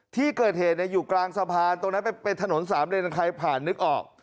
ที่เกิดเหตุอยู่กลางสะพานตรงนั้นเป็นถนนสามเลนใครผ่านนึกออก